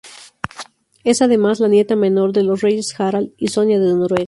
Es, además, la nieta menor de los reyes Harald y Sonia de Noruega.